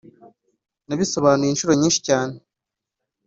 Nabisobanuye inshuro nyinshi cyane